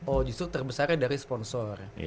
oh justru terbesarnya dari sponsor